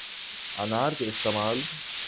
انار کے استعمال